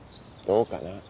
どうかな。